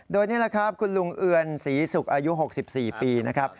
โดยนี่แหละครับคุณลุงเอือนศรีศุกร์อายุ๖๔ปีนะครับ